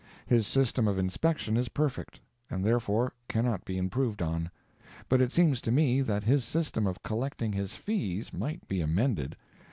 His system of inspection is perfect, and therefore cannot be improved on; but it seems to me that his system of collecting his fees might be amended.